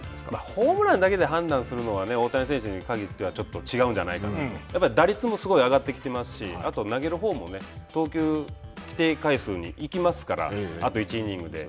ホームランだけで判断するのは大谷選手に限っては違うんじゃないかなと。打率もすごい上がってきてますしあと、投げるほうも投球規定回数に行きますからあと１イニングで。